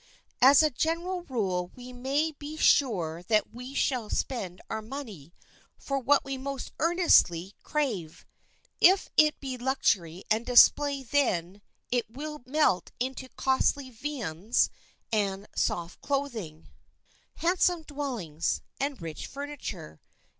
As a general rule we may be sure that we shall spend our money for what we most earnestly crave. If it be luxury and display then it will melt into costly viands and soft clothing, handsome dwellings and rich furniture.